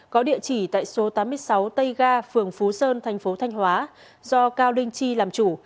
có địa chỉ tại số tám mươi sáu tây ga phường phú sơn tp thanh hóa do cao linh chi làm chủ